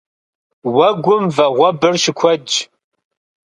Уэгум вагъуэбэр щыкуэдщ.